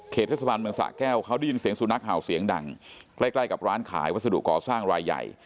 เทศบาลเมืองสะแก้วเขาได้ยินเสียงสุนัขเห่าเสียงดังใกล้ใกล้กับร้านขายวัสดุก่อสร้างรายใหญ่